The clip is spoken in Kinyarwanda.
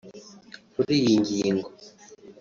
Kuri iyi ngingo